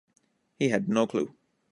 He had no clue.